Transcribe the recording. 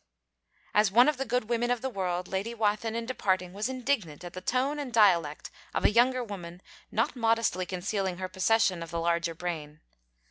As one of the good women of the world, Lady Wathin in departing was indignant at the tone and dialect of a younger woman not modestly concealing her possession of the larger brain.